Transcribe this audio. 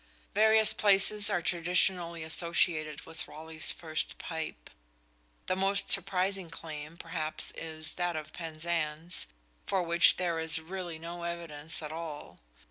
Various places are traditionally associated with Raleigh's first pipe. The most surprising claim, perhaps, is that of Penzance, for which there is really no evidence at all.